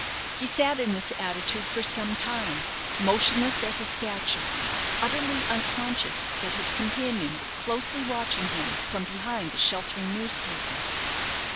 He sat in this attitude for some time, motionless as a statue, utterly unconscious that his companion was closely watching him from behind the sheltering newspaper.